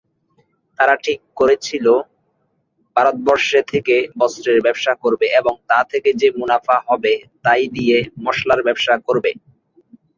তারা ঠিক করেছিল ভারতবর্ষে থেকে বস্ত্রের ব্যবসা করবে এবং তা থেকে যে মুনাফা হবে তাই দিয়ে মসলার ব্যবসা করবে।